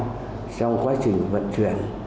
trong quá trình vận chuyển